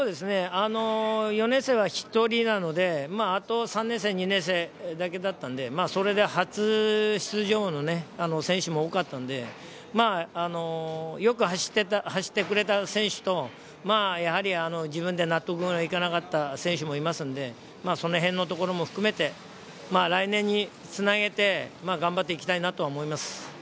４年生は１人なので、あと３年生、２年生、それで初出場の選手も多かったので、よく走ってくれた選手と自分で納得のいかなかった選手もいますので、その辺のところも含めて、来年に繋げて頑張っていきたいと思います。